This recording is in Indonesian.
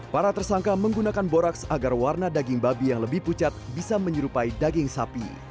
para tersangka menggunakan borax agar warna daging babi yang lebih pucat bisa menyerupai daging sapi